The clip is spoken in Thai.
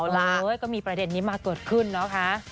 เลยก็มีประเด็นนี้มาเกิดขึ้นนะคะ